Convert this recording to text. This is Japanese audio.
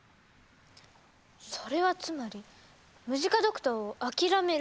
それはつまりムジカドクターを諦めるってこと？